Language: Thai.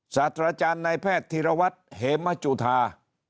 สัตว์อาจารย์นายแพทย์ธิระวัติเฮมจุธา